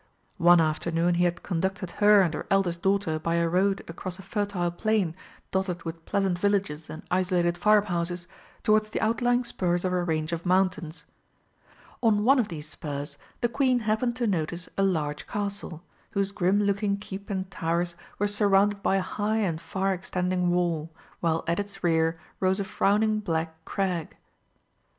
One afternoon he had conducted her and her eldest daughter by a road across a fertile plain dotted with pleasant villages and isolated farmhouses, towards the outlying spurs of a range of mountains. On one of these spurs the Queen happened to notice a large castle, whose grim looking keep and towers were surrounded by a high and far extending wall, while at its rear rose a frowning black crag.